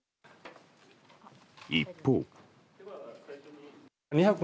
一方。